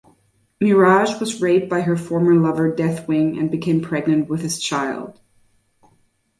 Mirage was raped by her former lover Deathwing and became pregnant with his child.